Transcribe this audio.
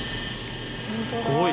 すごい。